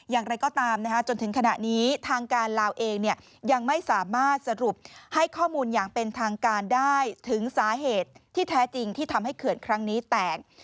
อย่างไรก็ตามจนถึงขณะนี้ทางการลาวเองยังไม่สามารถสรุปให้ข้อมูลอย่างเป็นทางการได้ถึงสาเหตุที่แท้จริงที่ทำให้เขื่อนครั้งนี้แตก